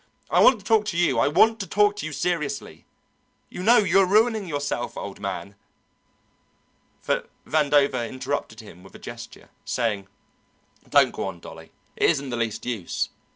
I want to talk to you! I want to talk to you seriously. You know you are ruining yourself, old man!" But Vandover interrupted him with a gesture, saying, "Don't go on, Dolly; it isn't the least use.